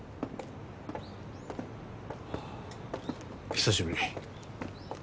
久しぶり。